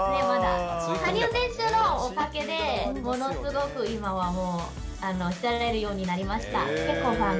羽生選手のおかげでものすごく今はもう、知られるようになりました。